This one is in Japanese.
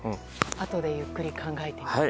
あとでゆっくり考えてみます。